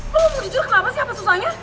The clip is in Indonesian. lo mau jujur kenapa sih apa susahnya